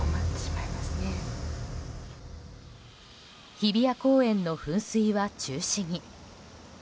日比谷公園の噴水は中止に。